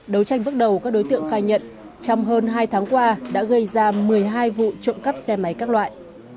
đấu tranh bước đầu các đối tượng khai nhận trong hơn hai tháng qua đã gây ra một mươi hai vụ trộm cắp xe máy các loại